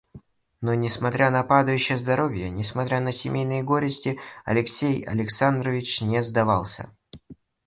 Но, несмотря на падающее здоровье, несмотря на семейные горести, Алексей Александрович не сдавался.